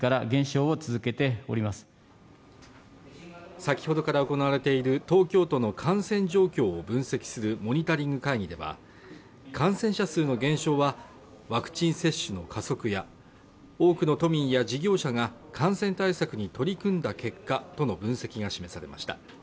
先ほどから行われている東京都の感染状況を分析するモニタリング会議では感染者数の減少は、ワクチン接種の加速や、多くの都民や事業者が感染対策に取り組んだ結果との分析が示されました。